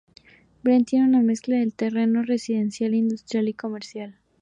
Brent tiene una mezcla de terreno residencial, industrial y comercial.